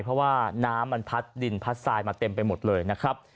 เพราะว่าน้ำมันพัดดินพัดทรายมาเต็มไปหมดเลยนะครับ